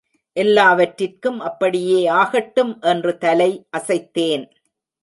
எல்லாவற்றிற்கும் அப்படியே ஆகட்டும் என்று தலை அசைத்தேன்.